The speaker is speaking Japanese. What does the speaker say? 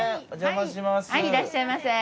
いらっしゃいませ。